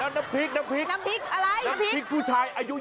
น้ำพริกน้ำพริกน้ำพริกอะไรน้ำพริกผู้ชายอายุ